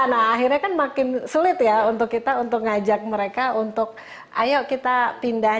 nah akhirnya kan makin sulit ya untuk kita untuk ngajak mereka untuk ayo kita pindah